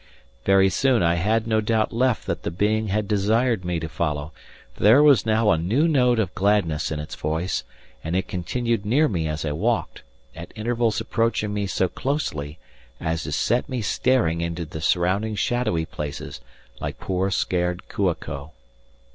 Very soon I had no doubt left that the being had desired me to follow; for there was now a new note of gladness in its voice, and it continued near me as I walked, at intervals approaching me so closely as to set me staring into the surrounding shadowy places like poor scared Kua ko.